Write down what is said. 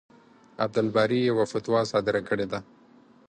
عبدالباري يوه فتوا صادره کړې ده.